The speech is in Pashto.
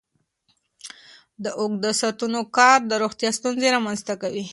د اوږده ساعتونو کار د روغتیا ستونزې رامنځته کوي.